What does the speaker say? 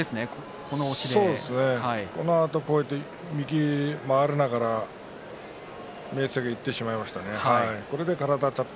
右に回りながら明生がいってしまいましたね。